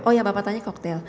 oh ya bapak tanya koktel